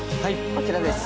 こちらです。